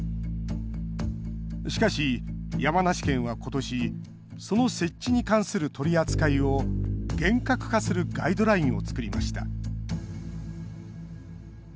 しかし、山梨県は今年その設置に関する取り扱いを厳格化するガイドラインを作りました